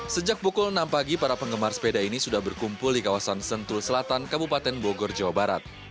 sejak pukul enam pagi para penggemar sepeda ini sudah berkumpul di kawasan sentul selatan kabupaten bogor jawa barat